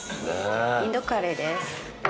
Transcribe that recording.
インドカレーです。